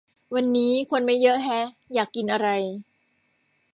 วันนี้คนไม่เยอะแฮะ อยากกินอะไร